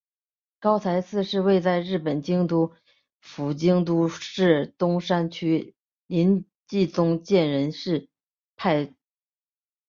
高台寺是位在日本京都府京都市东山区的临济宗建仁寺派寺院。